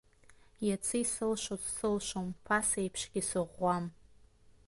Иацы исылшоз сылшом, ԥасеиԥшгьы сыӷәӷәам.